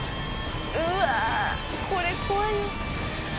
うわこれ怖いよ。